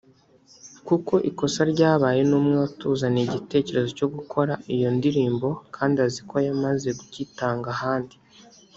Kuko ikosa ryabaye ni umwe watuzaniye igitekerezo cyo gukora iyo ndirimbo kandi azi ko yamaze kugitanga ahandi